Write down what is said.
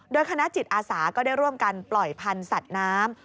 โดยคณะจิตอาสาก็ได้ร่วมกันปล่อยพันธุ์สัตว์น้ำ